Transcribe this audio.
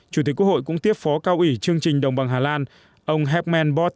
chủ tịch quốc hội cũng tiếp phó cao ủy chương trình đồng bằng hà lan ông herman bott